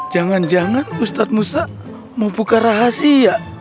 jangan jangan ustadz musa mau buka rahasia